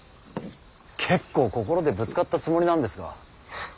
結構心でぶつかったつもりなんですが。